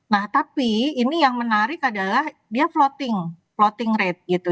nah tapi ini yang menarik adalah dia floating floating rate gitu